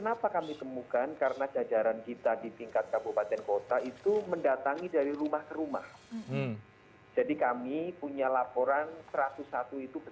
jadi kami punya laporan satu ratus satu itu beserta fotonya terkait dengan wna itu